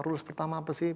rules pertama apa sih